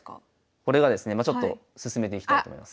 これがですねまあちょっと進めていきたいと思います。